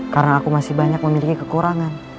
karena aku masih banyak memiliki kekurangan